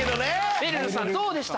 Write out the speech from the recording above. めるるさんどうでした？